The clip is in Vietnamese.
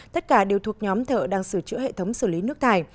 tất cả đều thuộc nhóm thợ đang sửa chữa hệ thống xử lý nước thải